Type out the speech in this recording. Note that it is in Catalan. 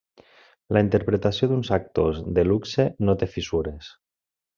La interpretació d'uns actors de luxe no té fissures.